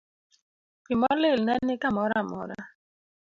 Pi molil ne ni kamoro amora.